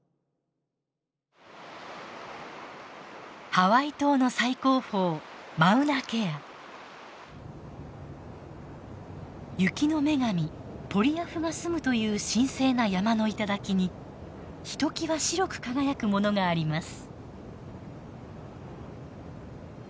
ハワイ島の最高峰雪の女神ポリアフが住むという神聖な山の頂にひときわ白く輝くものがあります。